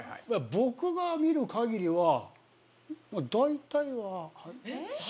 僕が見る限りは大体は。